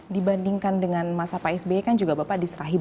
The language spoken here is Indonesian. dibandingkan dengan masa pak sby kan juga bapak diserahi